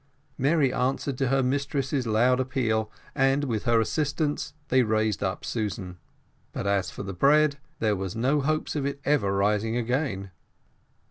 Mary answered to her mistress's loud appeal, and with her assistance they raised up Susan; but as for the bread, there was no hopes of it ever rising again.